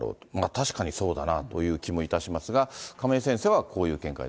確かにそうだなという気もいたしますが、亀井先生はこういう見解